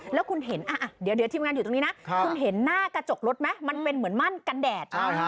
และคุณเห็นหน้ากระจกรถมันเป็นเหมือนม่านกันแดด